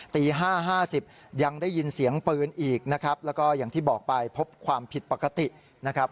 ตี๕๕๐ยังได้ยินเสียงปืนอีกนะครับแล้วก็อย่างที่บอกไปพบความผิดปกตินะครับ